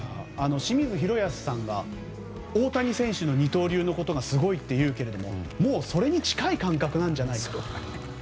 清水宏保さんが大谷選手の二刀流のことがすごいと言うけれどもそれに近い感覚なんじゃないかと。